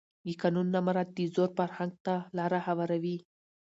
د قانون نه مراعت د زور فرهنګ ته لاره هواروي